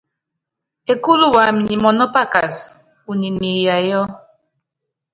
Ekúlu wamɛ nyi mɔnɔ́pakas, unyi niiyayɔ́.